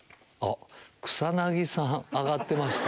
草薙さん挙がってました。